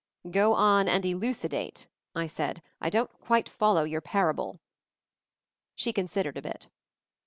"Go on and elucidate," I said. "I don't quite follow your parable." She considered a bit.